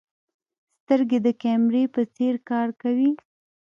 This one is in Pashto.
سترګې د کیمرې په څېر کار کوي.